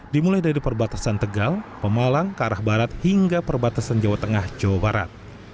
dimulai dari perbatasan tegal pemalang ke arah barat hingga perbatasan jawa tengah jawa barat